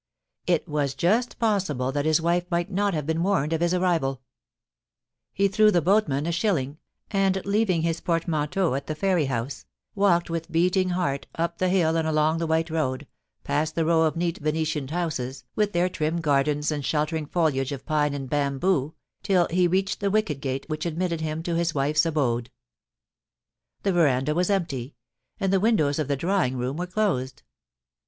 It was just possible that his wife might not have been warned of his arrival He threw the boatman a shilling, and, leaving his port manteau at the ferry house, walked with beating heart up the hill and along the white road, past the row of neat vene tianed houses, with their trim gardens and sheltering foliage of pine and bamboo, till he reached the wicket gate which admitted him to his wife's abode. The veranda was empty, and the windows of the drawing room were closed.